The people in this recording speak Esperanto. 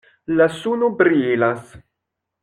La suno brilas.